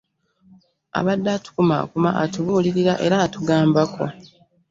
Abadde atukumaakuma, atubuulirira era atugambako